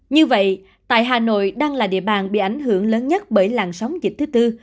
như vậy tại hà nội đang là địa bàn bị ảnh hưởng lớn nhất bởi làn sóng dịch thứ tư